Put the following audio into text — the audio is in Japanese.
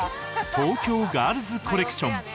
東京ガールズコレクション